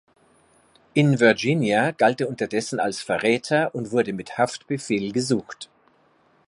In Virginia galt er unterdessen als Verräter und wurde mit Haftbefehl gesucht.